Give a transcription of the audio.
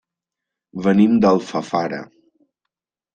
Venim d'Alfafara.